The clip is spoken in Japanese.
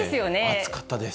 暑かったです。